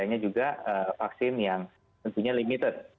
adanya juga vaksin yang tentunya limited